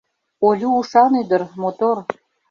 Олю ушан ӱдыр, мотор.